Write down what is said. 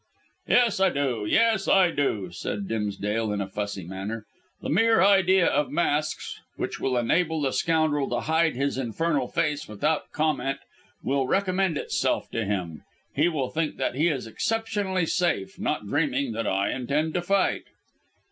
"Yes, I do; yes, I do," said Dimsdale in a fussy manner. "The mere idea of masks, which will enable the scoundrel to hide his infernal face without comment, will recommend itself to him. He will think that he is exceptionally safe, not dreaming that I intend to fight."